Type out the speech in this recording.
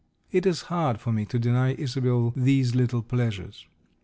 It is hard for me to deny Isobel these little pleasures.